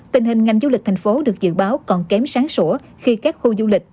tình hình ngành du lịch thành phố được dự báo còn kém sáng sủa khi các khu du lịch